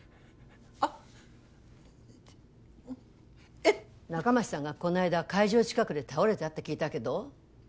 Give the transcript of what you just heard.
あえ仲町さんがこの間会場近くで倒れたって聞いたけど？